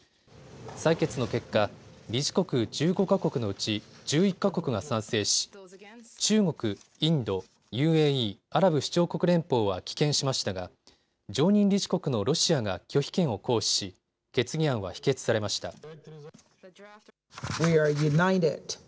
採決の結果、理事国１５か国のうち１１か国が賛成し、中国、インド、ＵＡＥ・アラブ首長国連邦は棄権しましたが常任理事国のロシアが拒否権を行使し、決議案は否決されました。